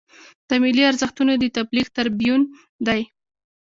د ملي ارزښتونو د تبلیغ تربیون دی.